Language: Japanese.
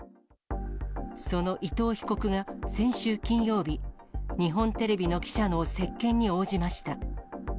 その伊藤被告が先週金曜日、日本テレビの記者の接見に応じました。